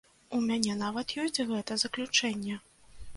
У мяне нават ёсць гэта заключэнне.